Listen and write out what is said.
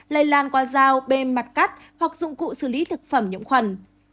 lây lan qua dao bề mặt cắt hoặc dụng cụ xử lý thực phẩm nhiễm khuẩn